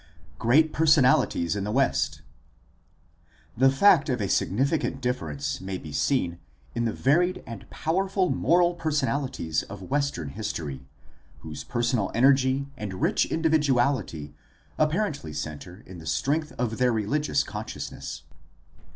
Great personalities in the West. — The fact of a signifi cant difference may be seen i^ the varied and powerful moral personalities of Western history, whose personal energy and rich individuality apparently center in the strength of their religious consciousness.